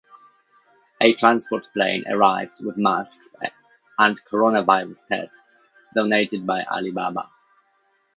A transport plane arrived with masks and coronavirus test kits donated by Alibaba.